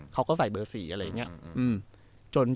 เขาก็ใส่เบอร์๔อะไรอย่างนี้